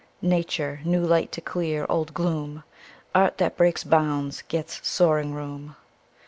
Nature — new light to clear old gloom, Art that breaks bounds, gets soaring room.